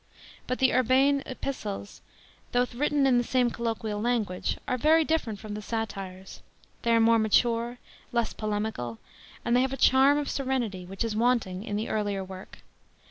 But the urbane kpistfes, though written in tie same colloquial language, are very different from the Satires ; they are more /nature, less polemical, and they have a charm of serenity which is wanting in the earlier work.